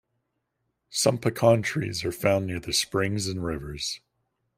Some pecan trees are found near the springs and rivers.